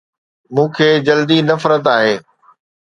مون کي جلدي نفرت آهي